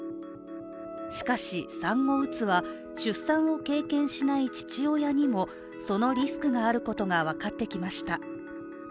しかし、産後うつは出産を経験しない父親にもそのリスクがあることが分かってきました。